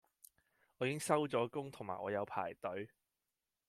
我已經收咗工同埋我有排隊